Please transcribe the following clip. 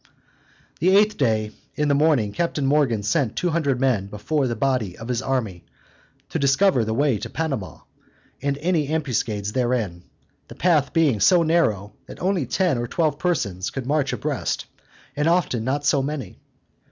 The eighth day in the morning Captain Morgan sent two hundred men before the body of his army, to discover the way to Panama, and any ambuscades therein: the path being so narrow, that only ten or twelve persons could march abreast, and often not so many.